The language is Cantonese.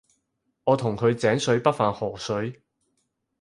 我同佢井水不犯河水